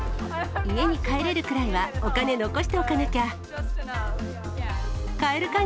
家に帰れるくらいはお金残しておかなきゃ。